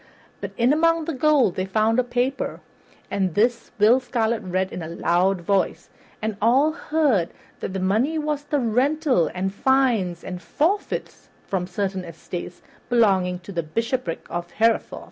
But in among the gold they found a paper, and this Will Scarlet read in a loud voice, and all heard that this money was the rental and fines and forfeits from certain estates belonging to the Bishopric of Hereford.